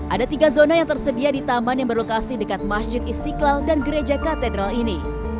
ada tiga zona yang tersedia di taman yang berlokasi dekat masjid istiqlal dan gereja katedral ini